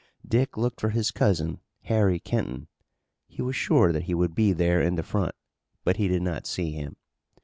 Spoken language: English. Dick looked for his cousin, Harry Kenton. He was sure that he would be there in the front but he did not see him.